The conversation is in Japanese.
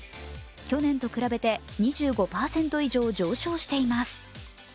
去年と比べて２５％以上上昇しています。